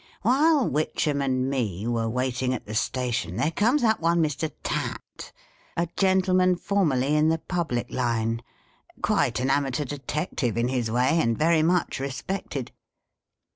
" While Witchem and me were waiting at the station, there comes up one Mr. Tatt ; a gentleman formerly in the public line, quite an amateur Detective in his way, and very much respected.